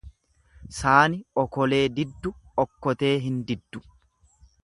Saani okolee diddu okkotee hin diddu.